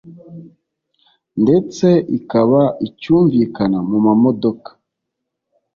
ndetse ikaba icyumvikana mu madoka